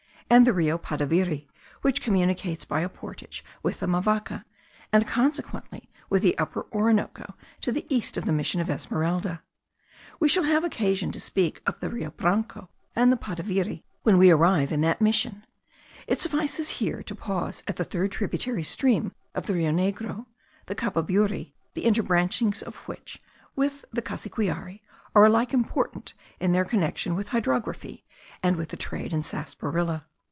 and the Rio Padaviri, which communicates by a portage with the Mavaca, and consequently with the Upper Orinoco, to the east of the mission of Esmeralda. We shall have occasion to speak of the Rio Branco and the Padaviri, when we arrive in that mission; it suffices here to pause at the third tributary stream of the Rio Negro, the Cababury, the interbranchings of which with the Cassiquiare are alike important in their connexion with hydrography, and with the trade in sarsaparilla.